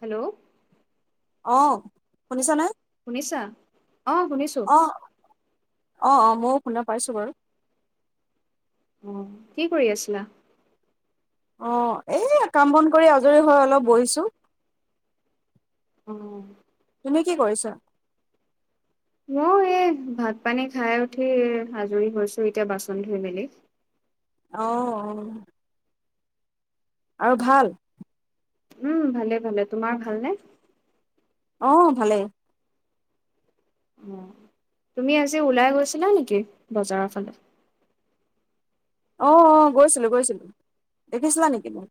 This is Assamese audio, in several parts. হেল্ল' অ শুনিছনে? শুনিছা? অ শুনিছোঁ অ অ ময়ো শুনা পাইছোঁ বাৰু অ কি কৰি আছিলা? অ এই কাম বন কৰি আজৰি হৈ অলপ বহিছোঁ। অ তুমি কি কৰিছা? মই এই ভাত পানী খাই উঠি আাজৰি হৈছোঁ এতিয়া বাচন ধুই মেলি অ অ আৰু ভাল? উম ভালে ভালে, তোমাৰ ভালনে? অ ভালেই। অ তুমি আজি ওলাই গৈছিলা নেকি বজাৰৰ ফালে অ অ গৈছিলোঁ গৈছিলোঁ দেখিছিলা নেকি মোক?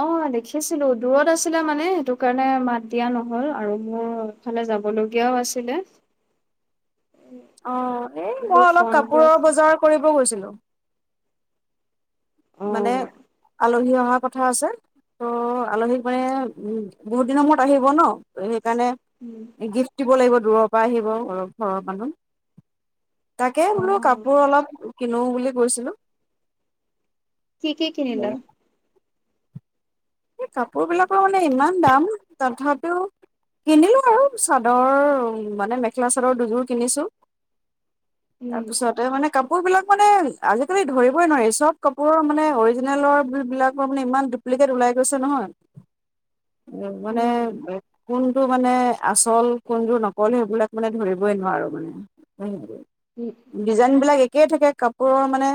অ দেখিছিলো দূৰত আছিলা মানে সেইটো কাৰণে মাত দিয়া নহল আৰু মোৰ ইফালে যাব লগীয়াও আছিলে। অ এই কিন্তু মই অলপ ফোনটোৱে কাপোৰৰ বজাৰ কৰিব গৈছিলো। অ মানে আলহী অহাৰ কথা আছে ত' আলহীক মানে উম বহুত দিনৰ মূৰত আহিব ন সেইকাৰণে উম, গিফ্ট দিব লাগিব দূৰৰ পৰা আহিব ঘৰৰ ঘৰৰ মানুহ। তাকে অ বোলো কাপোৰ অলপ কিনো বুলি কৈছিলো। কি কি কিনিলা এই কাপোৰবিলাকৰ মানে ইমান দাম তথাপিও কিনিলো আৰু চাদৰ মানে মেখেলা চাদৰ দুযোৰ কিনিছোঁ উম তাৰপিছতে মানে কাপোৰ কাপোৰ বিলাক মানে আজিকালি ধৰিবই নোৱাৰি চব কাপোৰৰ মানে অৰিজিনেলৰ বিলাক মানে ইমান ডুপ্লিকেট ওলাই গছে নহয় [unintelligible] মানে উম কোনটো মানে আচল কোনটোৰ নকল সেইবিলাক মানে ধৰিবই নোৱাৰো মানে উম স ডিজাইন বিলাক এক একেই থাকে কাপোৰৰ মানে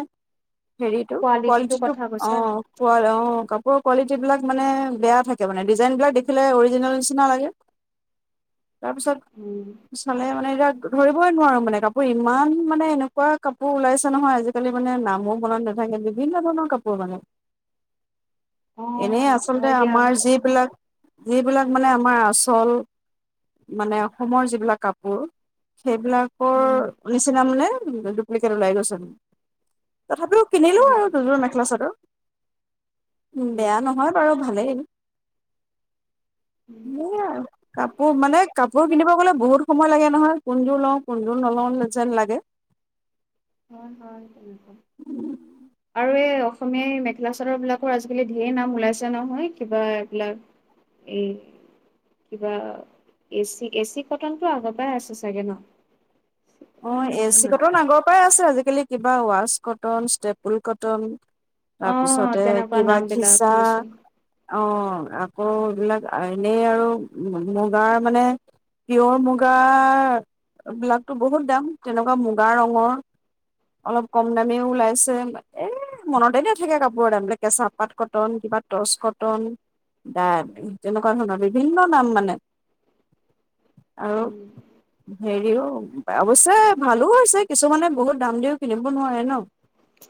হেৰিটো কোৱালিটি কোৱালিটিটোৰ টো কথা অ কৈছা? ক অ [unintelligible] অ কলেজ সেই বিলাক মানে বেয়া থাকে মানে ডিজাইনবিলাক দেখিলে অৰিজিনেল নিচিনা লাগে তাৰপিছত উম চালে মানে এতিয়া ধৰিবই নোৱাৰোঁ মানে কাপোৰ ইমান মানে এনেকুৱা কাপোৰ ওলাইছে নহয় আজিকালি মানে নামো মনত নাথাকে বিভিন্ন ধৰণৰ কাপোৰ মানে অ এনেই আছো আচলতে হয় দিয়া আমাৰ যিবিলাক যিবিলাক মানে আমাৰ আচল মানে অসমৰ যিবিলাক কাপোৰ সেইবিলাকৰ উম নিচিনা মানে এখেত ওলাই গৈছে তথাপিও কিনিলোঁ উম আৰু দুযোৰ মেখেলা চাদৰ উম, বেয়া নহয় বাৰু, ভালেই। উম এনেই আৰু । কাপোৰ মানে কাপোৰ কিনিব গ'লে বহুত সময় লাগে নহয়। কোনযোৰ লওঁ, কোনযোৰ নলওঁ যেন লাগে। হয় হয় তেনেকুৱাই আৰু এই অসমীয়া এই মেখেলা-চাদৰবিলাকৰ আজিকালি ঢেৰ নাম ওলাইছে নহয়। কিবা এইবিলাক এই কিবা এচি- এচি কটনটো আগৰ পৰাই আছে চাগে ন'? কটন অ', এ চি নহয় কটন আগৰ পৰাই আছে । আজি কালি কিবা ৱাছ কটন ষ্টেপুল কটন অ তাৰপিছতে তেনেকুৱা কিবা নাম বিলাক ঘিচা, শুনিছো অ'। আকৌ এইবিলাক এনেই আৰু মুগাৰ মানে‌, পিয়'ৰ মুগাৰ বিলাকটো বহুত দাম তেনেকুৱা মুগা ৰঙৰ অলপ কম দামিও ওলাইছে এ মনতে নেথাকে কাপোৰৰ দাম বিলাক কেঁচা পাত কটন কিবা টৰ্চ কটন দা তেনেকুৱা ধৰণৰ বিভিন্ন নাম মানে আৰু উম হেৰিও অৱশ্যে ভালো হৈছে কিছুমানে বহুত দাম দিও কিনিব নোৱাৰে ন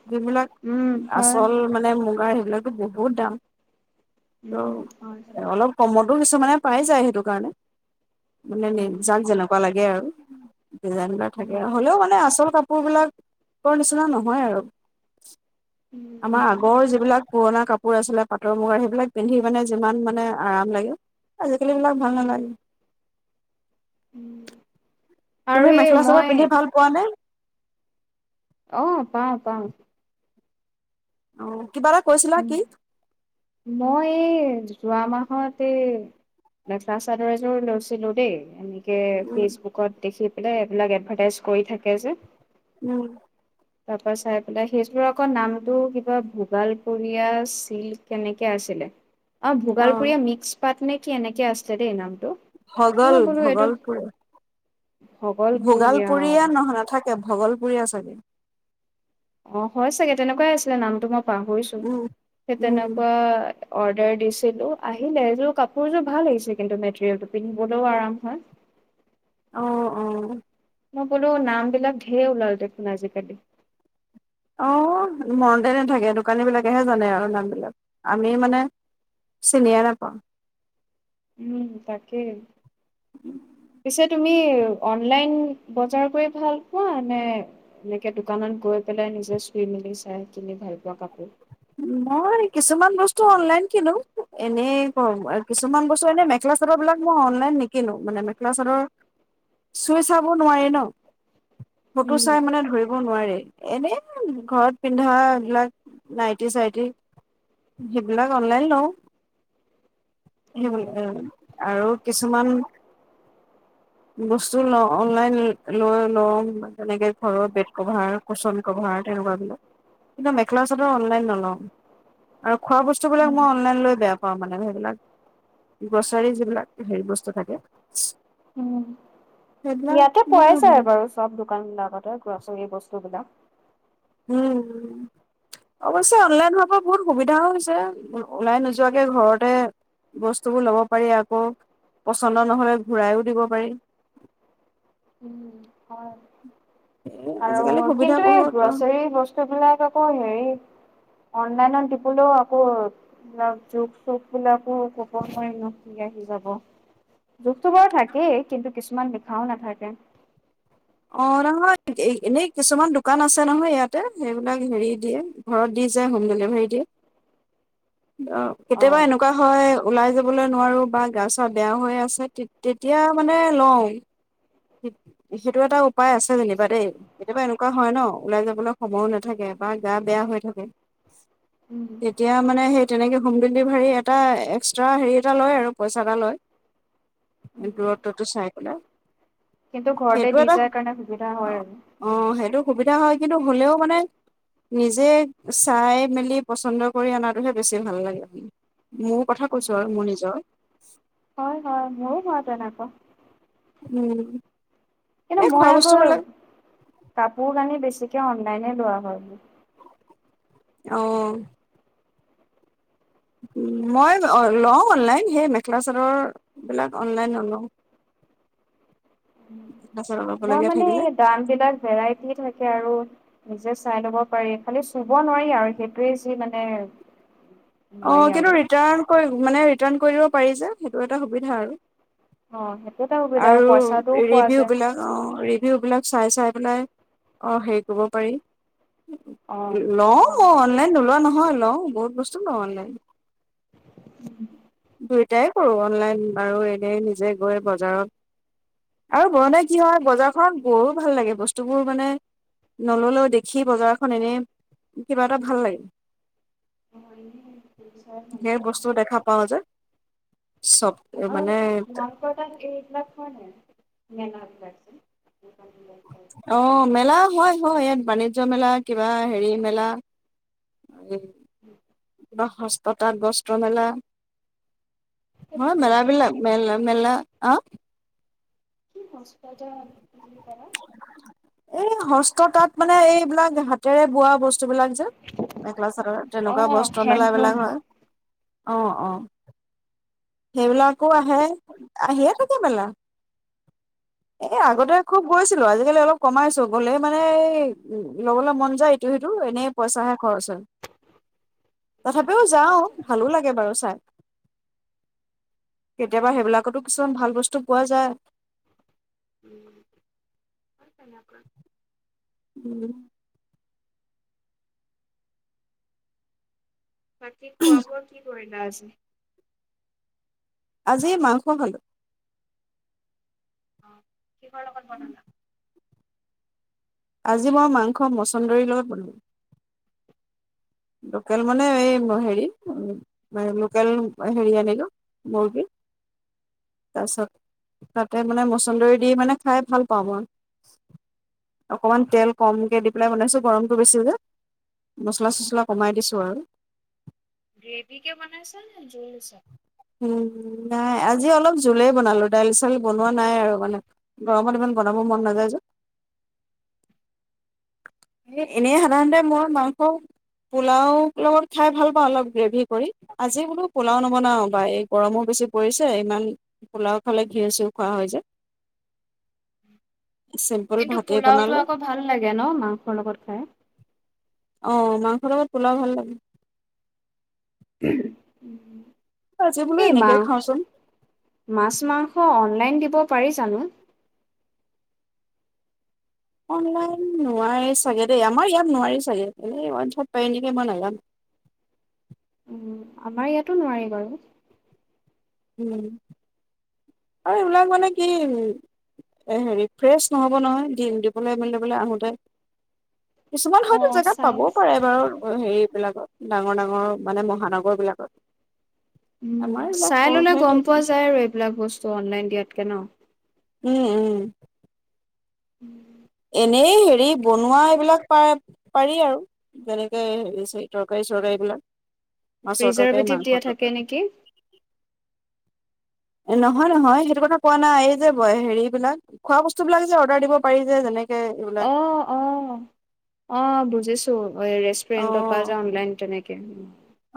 যিবিলাক উম হয় আচল মানে মুগাৰ এইবিলাকতো বহুত দাম উম হয় ত' হয় অলপ কমতো কিছুমানে পাই যায় সেইটো কাৰণে মানে নি উম জাক যেনেকুৱা লাগে আৰু ডিজাইন বিলাক থাকে উম আৰু হ'লেও মানে আচল কাপোৰ বিলাকৰ নিচিনা নহয় আৰু উম আমাৰ নহয় আগৰ যিবিলাক পুৰণা কাপোৰ আছিলে পাটৰ-মুগাৰ, সেইবিলাক পিন্ধি মানে যিমান মানে আৰাম লাগে, আজিকালি সেইবিলাক ভাল উম নালাগে। উম আৰু তুমি এই মেখেলা চাদৰ মই পিন্ধি ভাল পোৱা নে? অ', পাওঁ-পাওঁ। অ'। কিবা এটা কৈছিলা উম কি । মই এই যোৱা মাহ তে মেখেলা চাদৰ এযোৰ লৈছিলোঁ দেই । এনে কে উম ফেচবুকত দেখি এ এইবিলাক এডভাৰটাইজ কৰি থাকে যে। উম তাৰ পৰা চাই পেলাই সেইযোৰ আকৌ নামটো কিবা ভোগাল পুৰীয়া চিল্ক কেনেকে আছিলে? অ' ভোগালপুৰীয়া মিক্স পাট নে কি এনেকে আছিলে দেই নাম। ভগল- ভগলপুৰ । ভগলপুৰীয়া অ ভোগালপুৰীয়া নহ- নাথাক কে ভগলপূৰীয়া চাগে। অ' হয় চাগে । তেনেকুৱাই আছিলে নামটো ম পাহৰিছোঁ। উম সেই উম তেনেকুৱা অৰ্ডাৰ দিছিলো আহিলে এইযোৰ কাপোৰযোৰ ভাল আহিছে কিন্তু মেটেৰিয়েলটো পিন্ধিবলৈও আৰাম হয় অঁ অঁ মই বোলো নাম বিলাক ধেৰ ওলাল দেখোন আজিকালি অ মনতে নাথাকে দোকানী বিলাকেহে জানে আৰু নামবিলাক আমি মানে চিনিয়ে নাপাওঁ। উম তাকেই পিছে তুমি অনলাইন বজাৰ কৰি ভাল পোৱা নে এনেকে দোকানত গৈ পেলাই নিজে চুই মেলি চাই কিনি ভাল পোৱা কাপোৰ মই কিছুমান বস্তু অনলাইন কিনো এনেই ক কিছুমান বস্তু এনে মেখেলা চাদৰ বিলাক মই অনলাইন নিকিনো মানে মেখেলা চাদৰ চুই চাব নোৱাৰি ন। ফটো উম চাই মানে ধৰিব নোৱাৰাৰে। এনে ঘৰত পিন্ধা এই বিলাক নাইত টি-চাইটি সেইবিলাক অনলাইন লওঁ। সেইব উ উম। আৰু কিছুমান বস্তু ল অনলাইন লৈ লওঁ যেনেকে ঘৰৰ বেড কভাৰ কুচন কভাৰ তেনেকুৱা বিলাক কিন্তু মেখেলা চাদৰ অনলাইন ন [unintelligible] খোৱা বস্তুবিলাক উম মই অনলাইন লৈ বেয়া পাওঁ মানে সেইবিলাক! গ্ৰছাৰী যিবিলাক হেৰি বস্তু থাকে। উম সেইবিলাক ইয়াতে পোৱাই মই যায় হেৰি বাৰু চব দোকান বিলাকতে গ্ৰছৰী বস্তু বিলাক। উ অৱশ্যে অনলাইন হোৱাৰ পৰা বহুত সুবিধাও হৈছে ওলাই নোযোৱাকে ঘৰতে বস্তুবোৰ ল'ব পাৰি আকৌ পছন্দ নহলে ঘূৰাইও দিব পাৰি ।‍ অঁ আৰু আজিকালি সুবিধা কিন্তু এই বহুত গ্ৰছৰী বস্তুবিলাক আকৌ হেৰি অনলাইনত দিবলৈও আকৌ জোখ-চোখবিলাকো ক'ব নোৱাৰি ন কি আহি যাব! জোখটো বাৰু থাকেই, কিন্তু কিছুমান লিখাও নাথাকে। অ নহয় এনেই কিছুমান দোকান আছে নহয় ইয়াতে সেইবিলাক হেৰি দিয়ে ঘৰত দি যায় হোম ডেলিভাৰী দিয়ে। অ' কেতিয়াবা এনেকুৱা হয় ওলাই যোৱা বোলে নোৱাৰো বা গা-চা বেয়া হৈ আছে, তেতি-তেতিয়া মানে লওঁ। সেইটো এটা উপায় আছে যেনিবা দেই, কেতিয়াবা এনেকুৱা হয় ন ওলাই যাবলৈ সময়ো নাথাকে বা গা বেয়া হৈ থাকে! উম, তেতিয়া মানে সেই তেনেকে হোম ডেলিভাৰী এটা এক্সট্ৰা হেৰি এটা লয় আৰু, পইচা এটা লয়। দূৰত্বটো চাই পেলাই কিন্তু ঘৰতে সেইটো দি এটা যায় কাৰণে সুবিধা হয় আৰু অ' সেইটো সুবিধা হয় কিন্তু হ'লেও মানে নিজে চাই মেলি পচন্দ কৰি অনাটোহে বেছি ভাল লাগে আউ হয় হয় মোৰো হয় তেনেকুৱা উম কিন্তু এ খোৱা মই বস্তু আকৌ, বিলাক কাপোৰ-কানি বেছি তেতিয়া অনলাইনে লোৱা হয় বোলো অঁ মই লওঁ অনলাইন সেই মেখেলা চাদৰ বিলাক অনলাইন নলওঁ। মেখেলা চাদৰ মই ল'বলগীয়া মানে থাকিলে দাম বিলাক ভেৰাইটি থাকে আৰু নিজে চাই ল'ব পাৰি, খালি চুব নোৱাৰি আৰু সেইটোৱে যি মানে! অ নোৱাৰি কিন্তু আৰু। ৰিটাৰ্ণ কৰি মানে ৰিটাৰ্ণ কৰিব পাৰি যে সেইটো এটা সুবিধা আৰু অ', সেইটো এটা সুবিধা আৰু পইচাটোও পোৱা যায় ৰিভিউবিলাক অ' ৰিভিউবিলাক চাই চাই পেলাই অ হেৰি কৰিব পাৰি। অ'। অ', লও সেইটো অনলাইন নোলোৱা নহয় লওঁ বহুত বছ অনলাইন ট্ৰাই কৰোঁ অনলাইন আৰু এনেই নিজে গৈ বজাৰত আৰু গ'লে কি হয় বজাৰখনত গৈয়ো ভাল লাগে বস্তুবোৰ মানে নল'লেও দেখি বজাৰখন এনেই কিবা এটা ভাল লাগে। ধেই বস্তু দেখা পাওঁ যে চব আউ মানে তোমালোকৰ তাত এই বিলাক হয় নাই মেনা বিলাকজে [unintelligible] অ মেলা হয় হয় ইয়াত বাণিজ্য মেলা কিবা হেৰি মেলা উম হস্ততাঁত বস্ত্ৰ মেলা সেইটো হয় কি মেলা আকৌ বিলাক মেল মেলা অ কি হস্ত তাত বুলি কলা? এই হস্ত তাত মানে এইবিলাক হাতেৰে বোৱা বস্তু বস্তুবিলাক যে মেখেলা চাদৰ অ' তেনেকুৱা বস্ত্ৰ মেলা হেণ্ডলুম। বিলাক হয় অ অ। সেইবিলাকো আহে। আহিয়ে থাকে মেলা এ আগতে খুব গৈছিলোঁ আজিকালি অলপ কমাইছো গলে মানে এই ল'বলৈ মন যায় ইটো সিটো এনেই পইচাহে খৰচ হয় তথাপিও যাওঁ ভালো লাগে বাৰু চাই। কেতিয়াবা সেইবিলাকতো কিছুমান ভাল বস্তু পোৱা যায়। [unintelligible] উম বাকী খোৱা বোৱা কি কৰিলা আজি? আজি মাংস খালো অ কিহৰ লগত বনালা আজি মই মাংস মছন্দৰীৰ লগত বনালো। লোকেল মানে এই হেৰি লোকেল হেৰি আনিলোঁ মুৰ্গী তাৰপিছত তাতে মানে মছন্দৰী দি মানে খাই ভাল পাওঁ মই অকণমান তেল কমকে দি পেলাই বনাইছো গৰমটো বেছি যে মছলা চছলা কমাই দিছোঁ আৰু। গ্ৰেভিকে বনাইছ নে জুল দিছা। নাই আজি অলপ জোলেই বনালোঁ দাইল চাইল বনোৱা নাই আৰু মানে গৰমত ইমান বনাব মন নাযায় যে। এই এনেই সাধাৰণতে মই মাংস পোলাও লগত খাই ভাল পাওঁ অলপ গ্ৰেভি কৰি আজি বোলো পোলাও নবনাও বা এই গৰমো বেছি পৰিছে ইমান পোলাও খালে ঘি চিউও খোৱা হয়যে। কিন্তু পোলাওতটো বনালো আকৌ ভাল লাগে ন মাংসৰ লগত। হয়? আহ মাংস লগত পোলাও ভাল লাগে উম। আজি বোলো এনেকে এইমাহ খাওঁচোন মাছ মাংস পেলাই দিব পাৰি যানো অনলাইন নোৱাৰি চাগে দেই আমাৰ ইয়াত নোৱাৰি চাগে পাৰে নেকি মই নাজানো। উম, আমাৰ ইয়াতো নোৱাৰি বাৰু। উম। আৰু এইবিলাক মানে কি হেৰি ফ্ৰেছ নহ'ব নহয় দিম দি পেলাই মেলি পাই আহোঁতে। কিছুমান হয়তো অ' জেগাত পাবও চাই পাৰে বাৰু হেৰিবিলাকত। ডাঙৰ ডাঙৰ মানে মহানগৰ বিলাকত। উম আমাৰ এইবিলাক চাই ললে সৰুতহে গম থাকে। পোৱা যায় আৰু এইবিলাক বস্তু অনলাইন। ইয়াতকে ন? উম উম। উম। এনেই হেৰি বনোৱা এইবিলাক প -পাৰি আৰু যেনেকে হেৰি তৰকাৰী চৰকাৰী বিলাক। মাছৰ তৰকাৰী প্ৰিজাৰভেটিভ মাংস দিয়া থাকে তৰকাৰী। নেকি? নহয় নহয় সেইটো কথা কোৱা নাই ।এই যে হেৰি বিলাক খোৱা বস্তু বিলাক যে অৰ্ডাৰ দিব পাৰি যে যেনে অ' অ' অ' বুজিছো। তো অ' ৰেষ্টুৰেণ্টৰ পৰা অ', যে অনলাইন তেনেকে [inaudible]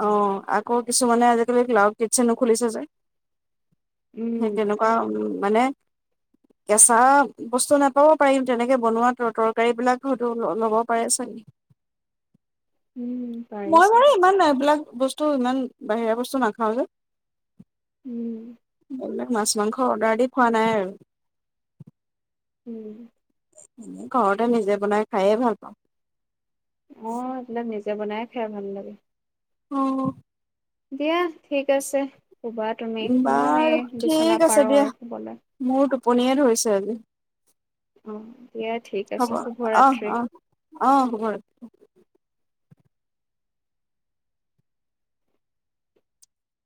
অ' আকৌ কিছুমানে আজিকালি ক্লাউড কিটচেনো খুলিছে যে। সেই উম, তেনেকুৱা উ মানে কেঁচা বস্তু নাপাব পাৰিম তেনেকে বনোৱা ত -তৰকাৰী বিলাক হয়তো ল - ল'ব পাৰে ছাগে? উম। পাৰেই চাগে। এইবিলাক বস্তু, ইমান বাহিৰা বস্তু নাখাও যে। উম, মাছ মাংস অৰ্ডাৰ দি খোৱা নাই আৰু। উম। ঘৰতে নিজে বনাই খায়ে ভাল পাওঁ। অ' [inaudible] বনাই খাই ভাল লাগে। অ'। দিয়া ঠিক আছে। শুবা তুমি ময়ো বাৰু এই বিচনা ঠিক আছে পাৰো দিয়া আৰু শুবলে। মোৰ টোপনিয়ে ধৰিছে আজি। অ'। দিয়া ঠিক হ'ব আছে অহ শুভৰাত্ৰি। অহ অ' শুভৰাত্ৰি।